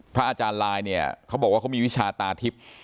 อาจารย์ลายเนี่ยเขาบอกว่าเขามีวิชาตาทิพย์